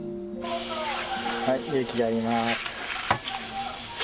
はい、勇輝やります。